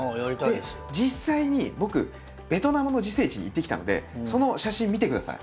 で実際に僕ベトナムの自生地に行ってきたんでその写真見てください。